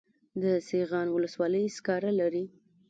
د سیغان ولسوالۍ سکاره لري